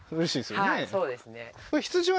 はいそうですね